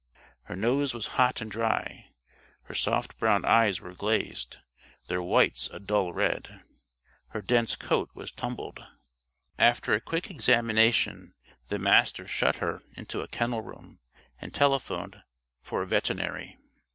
Her nose was hot and dry; her soft brown eyes were glazed, their whites a dull red. Her dense coat was tumbled. After a quick examination, the Master shut her into a kennel room and telephoned for a veterinary.